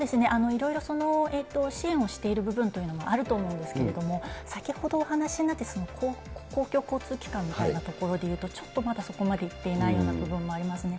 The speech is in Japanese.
いろいろ支援をしている部分というのもあると思うんですけれども、先ほどお話になった、その公共交通機関みたいなところでいうと、ちょっとまだそこまでいっていないような部分もありますね。